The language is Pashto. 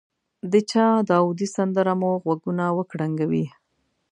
د چا داودي سندره مو غوږونه وکړنګوي.